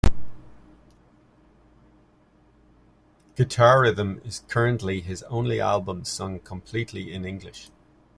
"Guitarhythm" is currently his only album sung completely in English.